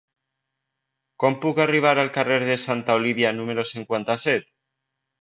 Com puc arribar al carrer de Santa Olívia número cinquanta-set?